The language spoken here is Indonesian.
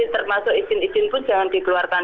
termasuk izin izin pun jangan dikeluarkan